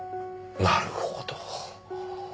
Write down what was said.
なるほど。